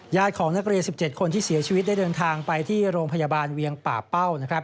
ของนักเรียน๑๗คนที่เสียชีวิตได้เดินทางไปที่โรงพยาบาลเวียงป่าเป้านะครับ